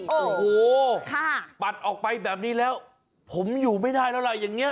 โอ้โหปัดออกไปแบบนี้แล้วผมอยู่ไม่ได้แล้วล่ะอย่างนี้